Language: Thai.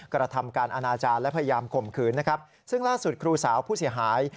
กระทำการอนาจารย์และพยายามข่มขืนนะครับซึ่งล่าสุดครูสาวผู้เสียหาย